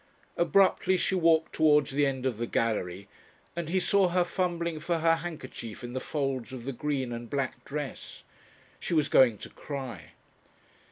Abruptly she walked towards the end of the gallery, and he saw her fumbling for her handkerchief in the folds of the green and black dress. She was going to cry!